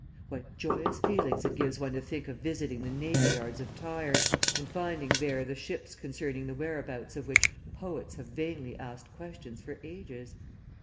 What joyous feelings it gives one to think of visiting the navy yards of Tyre and finding there the ships concerning the whereabouts of which poets have vainly asked questions for ages!